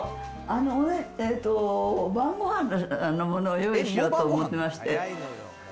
あのね、晩ごはんのものを用意しようと思ってまして。